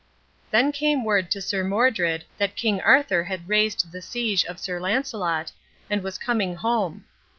Then came word to Sir Modred that King Arthur had raised the siege of Sir Launcelot, and was coming home.